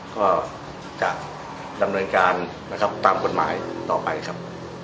ก็จะดำเนินการนะครับตามกฎหมายต่อไปครับ